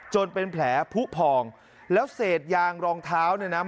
เป็นแผลผู้พองแล้วเศษยางรองเท้าเนี่ยนะ